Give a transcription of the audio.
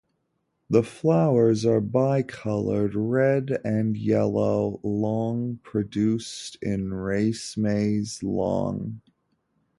The flowers are bicoloured red and yellow, long, produced in racemes long.